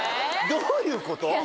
どういうこと？